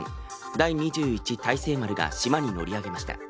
「第二十一大盛丸」が島に乗り上げました。